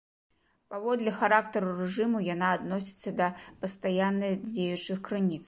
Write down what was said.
Паводле характару рэжыму яна адносіцца да пастаянна дзеючых крыніц.